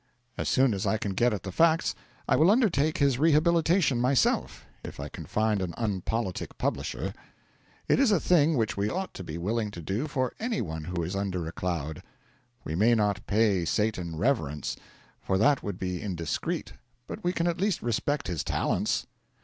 As soon as I can get at the facts I will undertake his rehabilitation myself, if I can find an unpolitic publisher. It is a thing which we ought to be willing to do for any one who is under a cloud. We may not pay Satan reverence, for that would be indiscreet, but we can at least respect his talents.